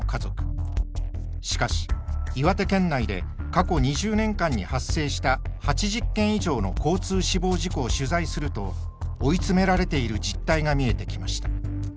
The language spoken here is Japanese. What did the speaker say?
しかし岩手県内で過去２０年間に発生した８０件以上の交通死亡事故を取材すると追い詰められている実態が見えてきました。